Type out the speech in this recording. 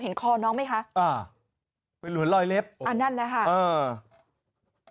คอน้องไหมคะอ่าเป็นเหมือนรอยเล็บอ่านั่นแหละค่ะเออ